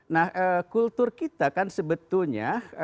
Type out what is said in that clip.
nah kultur kita kan sebetulnya